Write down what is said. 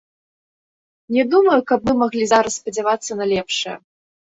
Не думаю, каб мы маглі зараз спадзявацца на лепшае.